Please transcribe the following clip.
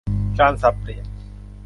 การสับเปลี่ยน